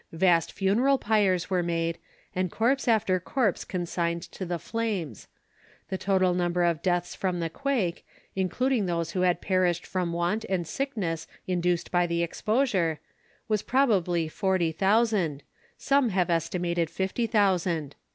Vast funeral pyres were made and corpse after corpse consigned to the flames. The total number of deaths from the earthquake, including those who perished from want and sickness induced by the exposure, was probably forty thousand; some have estimated fifty thousand.